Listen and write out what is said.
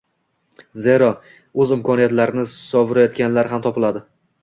Zero, o‘z imkoniyatlarini sovurayotganlar ham topiladi.